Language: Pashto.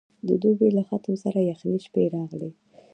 د دوبي له ختمه سره یخې شپې راغلې.